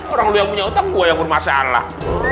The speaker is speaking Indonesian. orang yang punya utang gue yang bermasalah